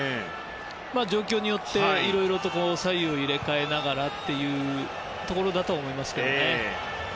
状況によっていろいろと左右を入れ替えながらというところだと思います。